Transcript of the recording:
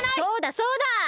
そうだそうだ！